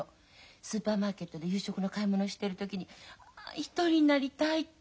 スーパーマーケットで夕食の買い物してる時に一人になりたいって。